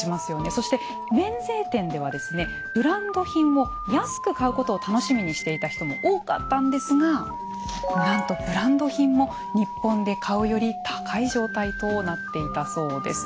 そして免税店ではブランド品を安く買うことを楽しみにしていた人も多かったんですがなんとブランド品も日本で買うより高い状態となっていたそうです。